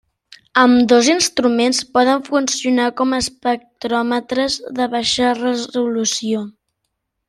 Ambdós instruments poden funcionar com espectròmetres de baixa resolució.